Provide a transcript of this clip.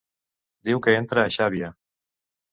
Diu que entra a Xàbia.